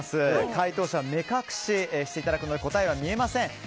解答者は目隠しをしていただくので答えは見えません。